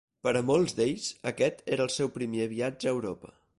Per a molts d'ells aquest era el seu primer viatge a Europa.